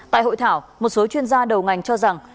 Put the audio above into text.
tại hội thảo một số chuyên gia đầu ngành cho rằng